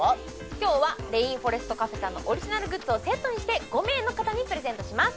今日はレインフォレストカフェさんのオリジナルグッズをセットにして５名の方にプレゼントします